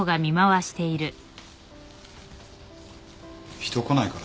人来ないからさ